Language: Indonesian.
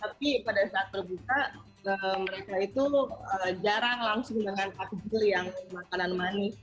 tapi pada saat berbuka mereka itu jarang langsung dengan takjil yang makanan manis